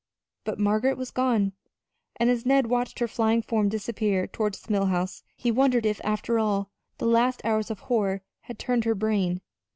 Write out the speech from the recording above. But Margaret was gone; and as Ned watched her flying form disappear toward the Mill House, he wondered if, after all, the last hours of horror had turned her brain.